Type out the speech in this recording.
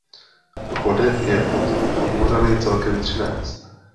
Chodeb je pod Podbořany celkem třináct.